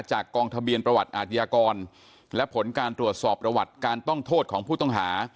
กองทะเบียนประวัติอาทยากรและผลการตรวจสอบประวัติการต้องโทษของผู้ต้องหา